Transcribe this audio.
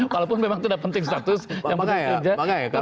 walaupun memang itu tidak penting status yang penting kinerja